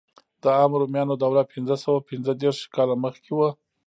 د عامو رومیانو دوره پنځه سوه پنځه دېرش کاله مخکې وه.